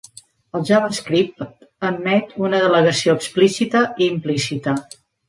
El JavaScript admet una delegació explícita i implícita.